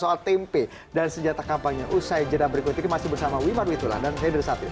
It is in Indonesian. soal tempe dan senjata kampanye usai jeda berikut ini masih bersama wiman witula dan hendra satrio